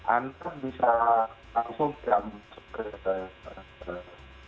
anda bisa langsung ke dalam kode terjaya